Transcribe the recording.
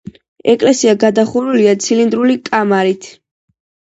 ეკლესია გადახურულია ცილინდრული კამარით.